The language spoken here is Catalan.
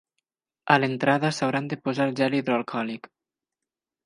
A l'entrada s'hauran de posar gel hidroalcohòlic.